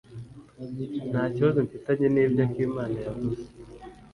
Nta kibazo mfitanye nibyo akimana yavuze.